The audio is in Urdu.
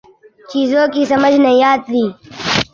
چیزوں کی سمجھ نہیں آتی